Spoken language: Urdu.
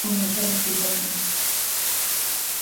وہ ہمیشہ مصیبت میں